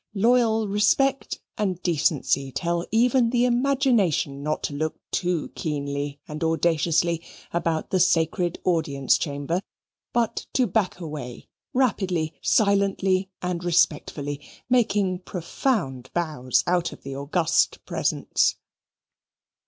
Loyal respect and decency tell even the imagination not to look too keenly and audaciously about the sacred audience chamber, but to back away rapidly, silently, and respectfully, making profound bows out of the August Presence.